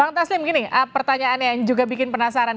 bang taslim begini pertanyaannya yang juga bikin penasaran